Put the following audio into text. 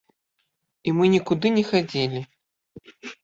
І мы нікуды не хадзілі.